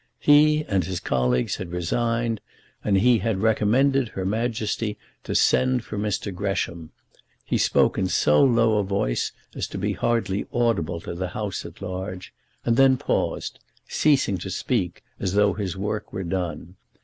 He and his colleagues had resigned, and he had recommended Her Majesty to send for Mr. Gresham. He spoke in so low a voice as to be hardly audible to the House at large, and then paused, ceasing to speak, as though his work were done.